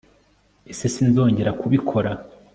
ese sinzongera kubikora